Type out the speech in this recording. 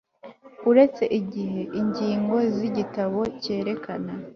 uretse igihe ingingo z igitabo cyerekana